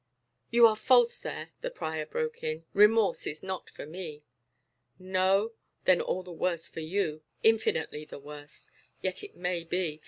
"You are false there," the prior broke in. "Remorse is not for me." "No? Then all the worse for you infinitely the worse. Yet it may be.